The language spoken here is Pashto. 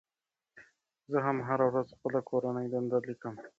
زه هم هره ورځ خپله کورنۍ دنده لیکم.